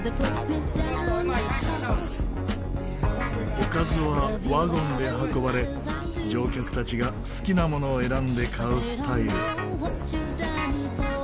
おかずはワゴンで運ばれ乗客たちが好きなものを選んで買うスタイル。